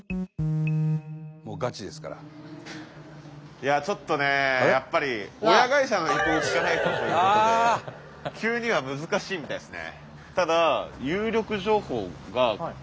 いやちょっとねやっぱり親会社の意向を聞かないとっていうことで急には難しいみたいですね。